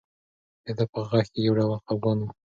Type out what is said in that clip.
د ده په غږ کې یو ډول خپګان و.